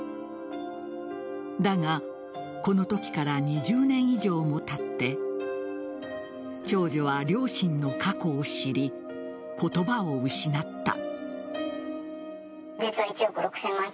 だが、このときから２０年以上もたって長女は両親の過去を知り言葉を失った。